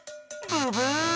ブブー！